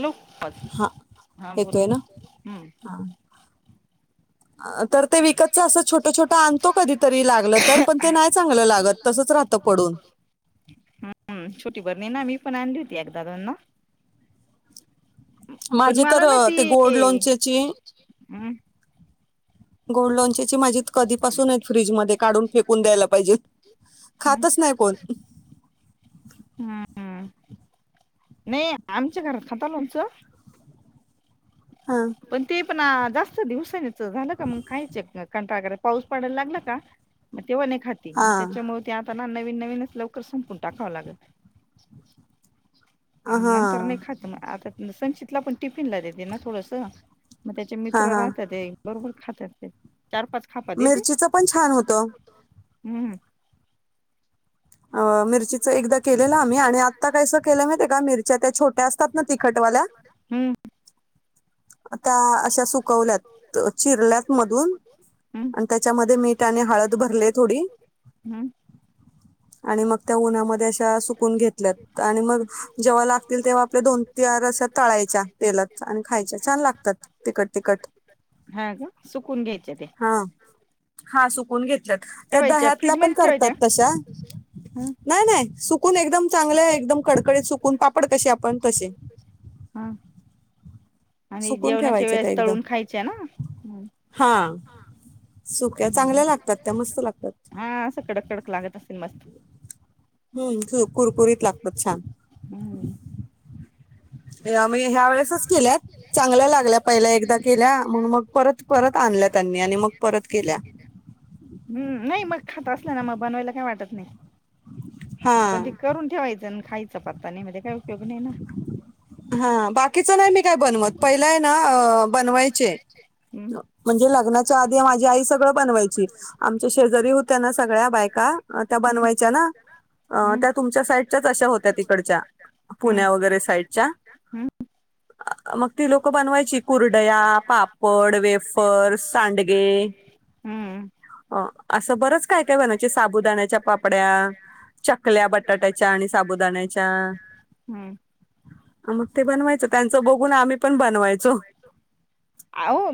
Hello हा हा बोला येतोय ना हम्म- हा तर ते विकतचं असं छोटं छोटं आणतो कधीतरी लागलं तर पण ते नाही चांगलं लागत तसंच राहतं पडून हम्म छोटी बरनी ना मी - पण आणली होती एकदा दोनदा- पण माझे तर मला ना ती ते गोड हम्म लोनचेची- गोड लोणच्या ची माझी- कधीपसूने फ्रीज मध्ये काढून फेकून द्यायला पाहिजे हम्म खातच नाही कोण- हम्म नाही आमच्या घरात खाता लोणचं - हा पण ते पणआ- जास्त दिवसानी- झालं का मग खायच कंटाळा करत- [unintelligible] पाऊस पडायला लागला का- तेव्हा खाती म हा त्याच्या मुळ ते आ- त्यांना नवीन नवीनच लवकर संपून टाकावं लागलत. हा नंतर नाही खात म आता- संचितला पण टिफिनला देते ना थोडसं- मग त्याचे हा मित्र राहतात ते- बरोबर खात्यात ते. चार पाच खापा देते मिरचीच पण छान होत. हम्म. अ मिरचीच एकदा केलेलं आम्ही आणि आत्ता कायसं केलं माहिते का मिरच्या त्या छोट्या असतात ना तिखटवाल्या- हम्म त्या- अशा सुकवल्यात चिरल्यात मधुन. हम्म त्याच्यामध्ये मीठ आणि हळद भरले थोडी. हम्म. आणि मग त्या उन्हामध्ये अशा सुकून घेतल्यात. आणि मग जेव्हा लागतील, तेव्हा आपल्या दोन चार अस्या तळायच्या तेलात आणि खायच्या. छान लागतात तिखट तिखट हा का सुकून घ्यायच्या त्या हा ण घेत त्या ठेवायच्या दह्यातला फ्रीज पण मध्ये ठेवायच्या करतात तशा ह नाही नाही सुकून एकदम चांगले एकदम कडकडीत सुकून पापड कसे आपण तसे.. हा आणि सुकून जेवणाच्या ठेवायचे त्या वेळेस एकदम तळून खायच्या ना हा सुक्या हम्म चांगल्या लागतात त्या मस्त लागतात हा असं कडक कडक लागत असल मस्त [inaudible] [unintelligible] हम्म कुरकुरीत लागतात छान [unintelligible] या- म्हणजे ह्या वेळेसच केल्यात चांगल्या लागल्या चांगलं पहिल्या लागलं एकदा पहिल केल्या केला म्हणून मग परत आणल्या त्यांनी आणि मग परत केल्या [unintelligible] केल्या नाही मग खात मग बनवायला काही वाटत नाही. हा [inaudible] पण ते करून ठेवायचं ना, खायचं पत्ता नाही म्हणजे काय? [unintelligible] हा बाकीच नाही मी काय नाही बनवत. पहिलंय ना बनवायचे हम्म म्हणजे लग्नाच्या आधी माझी आई सगळं बनवायची. आमच्या शेजारी होत्या ना, सगळ्या बायका त्या हम्म बनवायच्या, ना हम्म त्या तुमच्या साईडच्याच अशा होत्या तिकडच्या हम्म पुण्या वगैरे साईडच्या. [inaudible] मग ती लोक बनवायची कुर्डया, पापड, वेफर्स, सांडगे, हम्म असं बरच काय काय? बनवायचे साबुदाण्याच्या पापड्या, चकल्या, बटाट्याच्या, आणि साबुदाण्याच्या, हम्म मग ते बनवायचं त्यांचं बघून आम्ही पण बनवायचो अहो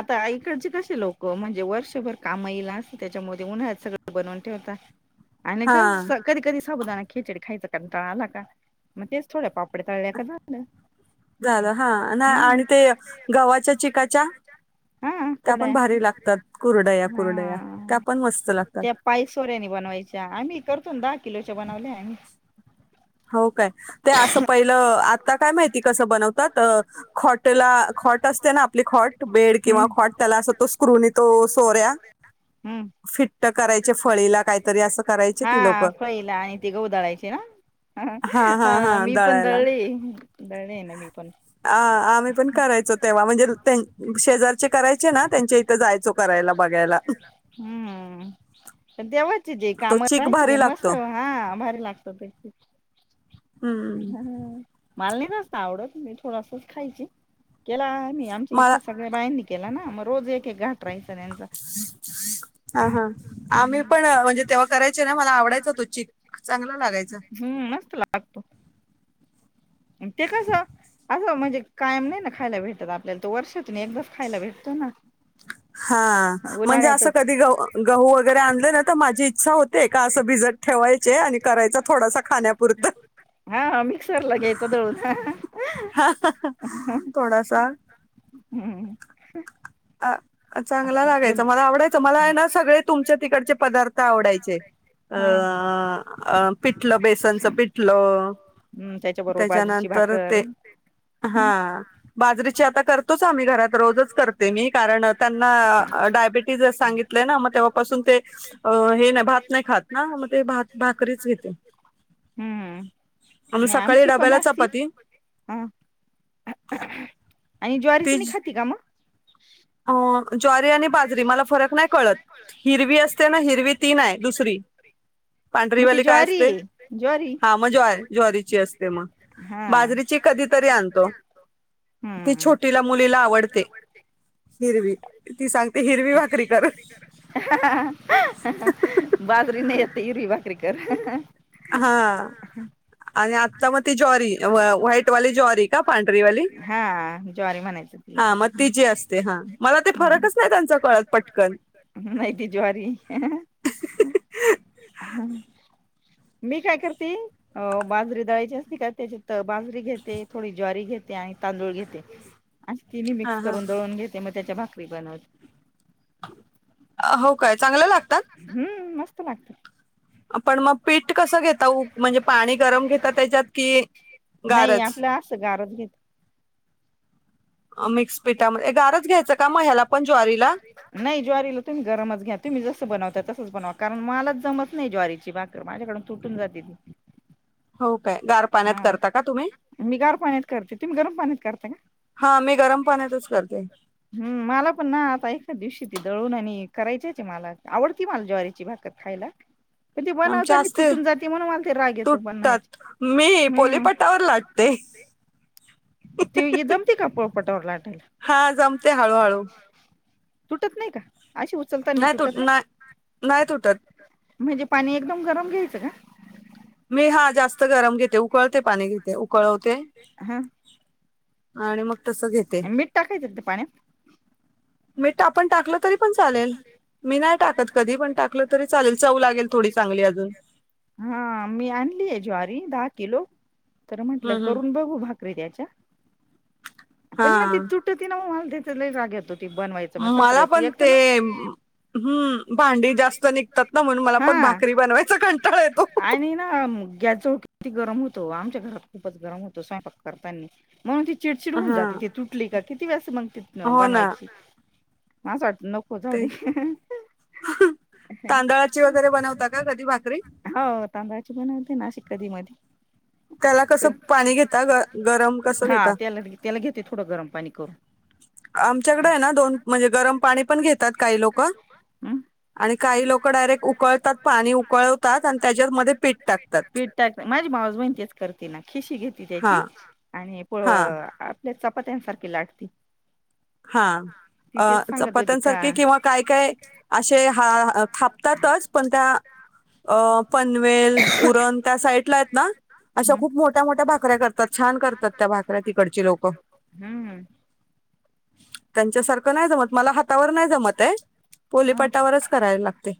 [inaudible] आता इकडचे कसे लोक म्हणजे वर्षभर काम लय असत त्याच्यामध्ये उन्हाळ्यात सगळं बनवून ठेवता. आणि का? हां. कधी? कधी? साबुदाणा खिचडी खायचा कंटाळा आला का मग तेच थोडे पापडे तळल्या का झालं झालं हां. ना आणि ते गव्हाच्या चिकाच्या हा त्या पण कुड्या भारी लागतात कुरडया कुरडया. त्या हा पण मस्त लागतात. त्या पाय सोऱ्यानी बनवायच्या आम्ही करतो दहा किलोच्या बनवल्या आम्ही हो काय? ते असं पहिलं आता काय माहिती कस बनवतात अ ख्वाटला ख्वाट असते ना आपली ख्वाट बेड किंवा हम्म ख्वाट त्याला आस स्क्रू न सोऱ्या हम्म फिट करायचे फळीला काहीतरी असं करायचे ती लोक हा फळीला आणि ते गहू दळायचे ना हा हा हा मी पण दळायला दळले दळले ना मी पण अ आम्ही पण करायचो तेव्हा म्हणजे त्यां शेजारचे करायचे ना त्यांच्या इथं जायचो करायला बघायला. आणि तेव्हा जे तो काम चीक राहायची तेे भारी मस्त लागतो हा भारी लागत ते हम्म. मला नाही जास्त आवडत मी थोडसाच खायची केल मी आमच्या मला इथल्या सगळ्या बायांनी केला ना मग रोज एक एक घाट राहायच त्यांचा हा हा आम्ही पण म्हणजे तेव्हा करायचे ना मला आवडायचा तो चीक चाना हम्म मस्त लागतो. ते कसं असं म्हणजे कायम नाही ना खायला भेटत आपल्याला तो वर्ष हा म्हणजे असं उन्हाळ्यातच कधी गहु गहूं वगैरे आणलं ना, तर माझी इच्छा होते का असं भिजत ठेवायचे आणि करायचा थोडासा खाण्यापुरत. हा मिक्सरला घ्यायचं दळून थोडासा [unintelligible] [unintelligible] [unintelligible] चांगला लागायचा पण मला आवडायचं मला आहे ना सगळे तुमच्या तिकडचे पदार्थ आवडायचे हा अ पिठलं बेसनचं पिठलं, त्याच्या बरोबर बाजरीची त्याच्यानंतर भाकर ते हा बाजरीची आता करतोच आम्ही घरात रोजच कर मी कारण त्यांना डायबेटीज सांगितलंय ना, मग तेव्हापासून ते हे नाही भात नाही खात ना मग ते भात भाकरीच घेते हम्म आणि नाही सकाळी आमची पण डब्याला असती चपाती. हा आणि ज्वारीची ती नाही ज- खाती का मग? अ, ज्वारी आणि बाजरी मला फरक नाही कळत. हिरवी असते ना, हिरवी ती नाही, दुसरी. मग ती पांढरीवाली काय ज्वारी असते, ज्वारी हा मग ज्वारी ज्वारीची असते मग हा बाजरीची कधी तरी आणतो ती हम्म छोटीला मुलीला आवडते. ती सांग [unintelligible] बाजरी नाहीय ती हिरवी भाकरी कर. कर. [unintelligible] हा आणि आ का पांढरी वाली हा ज्वारी म्हणायचं तिला, हा मग तिची असते हा मला ते फरकच नाही त्यांचा कळत पटकन नाही ती ज्वारी. [unintelligible] मी काय करते, अ बाजरी [unintelligible] बाजरी घेते, थोडी ज्वारी घेत ते आणि तांदूळ घेते मी. आणि ती मी हा मिक्स हा करून दळून घेते, मग त्याच्या भाक री बनवत [unintelligible] हो काय चांगलं हम्म मस् कसं लागत? आपण मग पीठ कसं घेताऊ म्हणजे पाणी गरम घेत आता त्याच्यात कि नाही गारच. आपलं [unintelligible] मिक्स पिठामध्ये ए, गारच घ्यायचं का मग ह्याला पण ज्वारीला नाही ज्वारीला तुम्ही गरमच घ्या. तुम्ही जस बनवता तस बनवा कारण मलाच जमत नाही ज्वारीची भाकर, माझ्याकडून तुटून जाते ती. हो काय गार पाण्यात हा करता का तुम्ही मी गार पाण्यात करते, तुम्ही गरम पाण्यात करता का? हा मी गरम पाण्यातच करते हम्म मला पण ना आता एका दिवशी त दळून आणि करायचिच मला, आवडती मला ज्वारीची भाकर खायला. ते आमच्या बनवतानी असते तुटून जाते म्हणून मला ते राग येतो तुटतात बनवायचा. मी पोलेपाटावर लाटते. ती जमती का पोळपाटा वर लाट हा जमते हळू हळू. तुटत नाही का? अशी उचलताना नाही तुट तुटत नाही. नाही तुटत. म्हणजे पाणी एकदम गरम घ्यायच का? मी हा जास्त गरम घेते उ - - उकळते पाणी घेते उकळवते हा. आणि म मिट टाकायच का त पाण्यात? मीट आपण टाकल कधी पण टाकलं तरी चालेल चव लागेल थोडी चांगली अजून हा मी आणलीये ज्वारी दा किलो. तर म्हटल हम्म, हम्म. करून बघू भाकरी त्याच्या. पण ना ती हा तुटती ना [unintelligible] त लई राग येतो बनवायच मग मला सतरा पण एक तर ना ते हम्म भांडी जास्त निघतात ना म्हणून मला पण हा भाकरी बनवायचा कंटाळा येतो. आणि ना गॅस जवळ किती गरम होत ओ आमच्या घरात खूपच गरम होत स्वयंपाक करतानी. म्हणून ती चिडचिड होऊ हा जाते ते तुटली का किती वेस मंग? हो ना बनवायची. आ स वाट नको जाऊ ते दे. तांदळाची वैगरे बनवता का कधी भाकरी? नाशिक कधी मधी. त्याला कस पण पाणी घेता गरम कस घेता? कर. आमच्याकडे आहे ना दोन म्हणजे गरम पाणी पण घेतात काही लोक. आणि काही लोक डायरेक्ट उकळतात पाणी उकळवतात आणि त्याच्यात मध्ये पीठ टाकतात त्यामध्ये पीठ माझी माऊस बहिण तेच करते ना खिशी घेते हा त्याची आणि पोळ हा आप ते चपात्यांसारखी लाटती. हा ती तेच अ सांगत होती का चपात्यांसारखे किंवा काय काय अशे हा हा अ थापतातच पण त्या अ अ पनवेल, उरण त्या साईटला हेत ना अशा हम्म खूप मोठ्या मोठ्या भाकऱ्या करतात छान करतात त्या भाकऱ्या तिकडची लोक. हम्म त्यांच्यासारखं नाय जमत मला हातावर नाय जमत हे पोलीपाटावरच करायल लागते.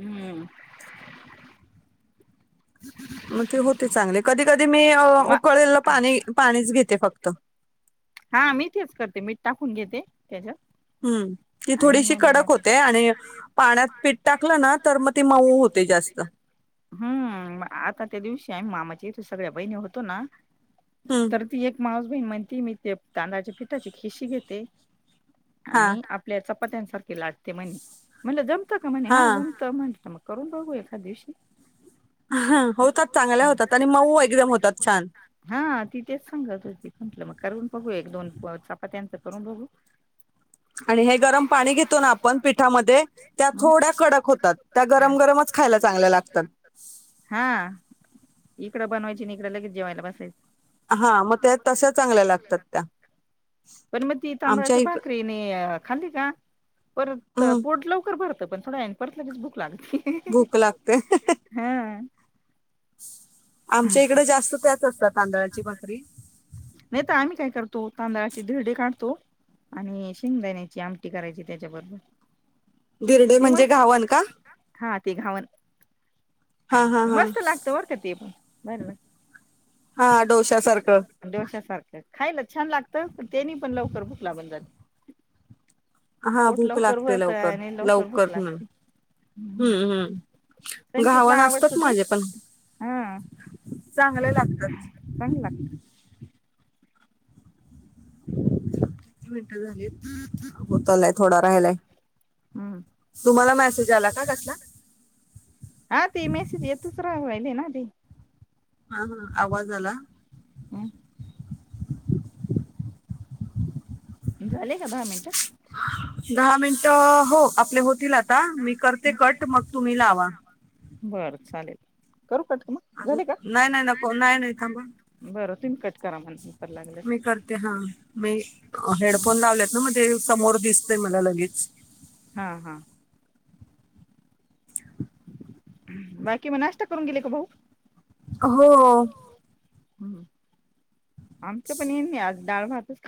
हम्म! [inaudible] मते होते चांगले कधी कधी मी अ म उकळलेलं पाणी पाणीच घेते फक त हा मी तेच करते मीठ टाकून घेते त्याच्यात. हम्म, ती आणि थोडीशी मग बनव कडक होते आणि पाण्यात पीठ टाकलं ना तर म ती मऊ होते जास्त. तिथं सगळ्या बहिणी होतो ना हम्म तर ती एक मावस बहीण म्हणतीहे मी ते ब तांदळाच्या पिठाची खिसी घेते हा आणि आपल्या चप पत्यानसारखे लाटते म्हने, म्हणलं जम तका म्हणे हा, जमतं म्हंटल मग. करून बघू एखाद दिवशी. होतात चांगल्या होतात आणि मऊ एकदम होतात छान. हा ती तेच सांगत होती म्हटलं मग करून बघू एक दोन प चपात्यांच करून बघू. आणि हे गरम पाणी घेतो ना आपण पिठामध्ये त्या मग थोड्या कडक होतात त्या गरम गरमच खायला चांगल्या लागतात. हा बनवायची इकडं लगेच जेवायला बसाय अहा, म त्या तशा चांगल्या लागतात. त्या पण म ती आमच्या तांदळाच्या इकडं भाकरीनेअ खाली का परत हं, पोट लवकर भरत पण थोड्या याने परत लगेच भूक लाग भूक लागते. हा [inaudible] आमच्या इकडं जास्त त्याच असता तांदळाची भाकरी. नाही तर आम्ही काय करतो तांदळाची धिरडे काढतो आणि शेंगदाण्याची आमटी करायची त्याच्याबरोबर बिर्डे ते म्हणजे मस्त घावन का हा ते घावण हा [unintelligible] हा हा मस्त लागत बरं का ते पण बर ना हा डोश्या सारखं डोश्यासारखं खायला छान लागत पण त्यानी पण लवकर भुक लागून जाती हा भूक लागते लवकर भूक लवकर लागते हम्म हम् संचितला घावण आवडतं असतच ती माझे पण हा चांगले लाग [inaudible] चांगलं लागतं ह झा होतला [unintelligible] थोडा राहिलाय हम् तुम्हाला मेसेज आला का कसला हा ते मेसेज येतच राहावाय कले ना अ ते [unintelligible] हा हा आवाज आला हम् झाले का दहा मिनिटं ह दहा मिनट हो आपले होतील आता मी करते कट मग तुम्ही लावा बर चालेल करू कट मग अ झाले का नाही नाही नको नाही नाही थांबा. त [unintelligible] मी करते हा मी हेडफोन लावलेत ना म्हणजे समोर दिसतय मला लगेच. हा हा. बाकी म नाश्ता करून गेले का भाऊ? हो. हम्म. आमच्या पण ये [unintelligible] आज. डाळ भातच.